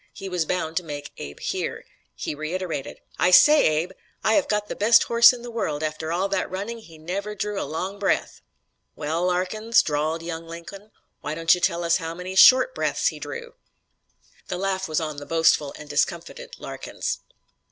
He was bound to make Abe hear. He reiterated: "I say, Abe, I have got the best horse in the world; after all that running he never drew a long breath." "Well, Larkins," drawled young Lincoln, "why don't you tell us how many short breaths he drew." The laugh was on the boastful and discomfited Larkins.